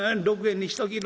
６円にしとき。